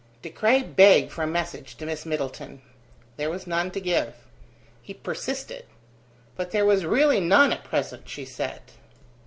De Craye begged for a message to Miss Middleton. There was none to give. He persisted. But there was really none at present, she said.